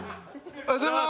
おはようございます。